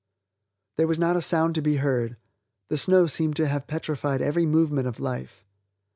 There was not a sound to be heard; the snow seemed to have petrified every movement of life.